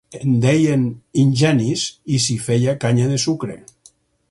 En deien ingenis i s'hi feia canya de sucre.